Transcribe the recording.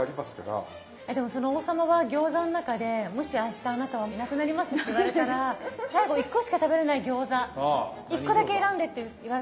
でもその王様は餃子の中でもし「明日あなたはいなくなります」なんて言われたら最後１個しか食べれない餃子１個だけ選んでって言われたら何選びます？